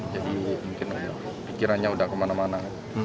jadi mungkin pikirannya udah kemana mana